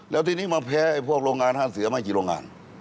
แล้วทีนี้มาแพ้พวกโรงงานห้างเสือไม่กี่โรงงาน